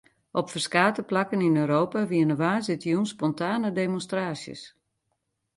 Op ferskate plakken yn Europa wiene woansdeitejûn spontane demonstraasjes.